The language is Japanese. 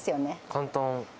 簡単。